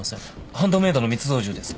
ハンドメイドの密造銃です。